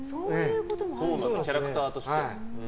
キャラクターとして。